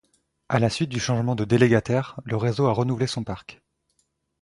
À la suite du changement de délégataire, le réseau a renouvelé son parc.